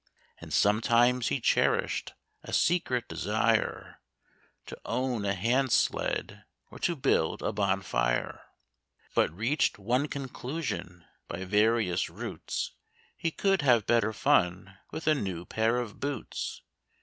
And sometimes he cherished a secret desire To own a hand sled, or to build a bonfire; But reached one conclusion by various routes He could have better fun with a new pair of boots.